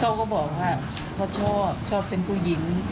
เขาก็บอกว่าเขาชอบชอบเป็นผู้หญิง